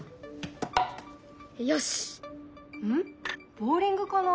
ボウリングかな？